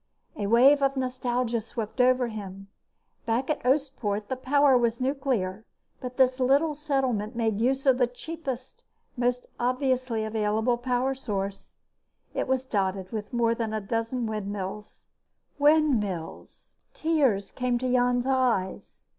A wave of nostalgia swept over him. Back at Oostpoort, the power was nuclear, but this little settlement made use of the cheapest, most obviously available power source. It was dotted with more than a dozen windmills. Windmills! Tears came to Jan's eyes.